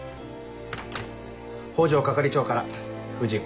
北条係長から藤君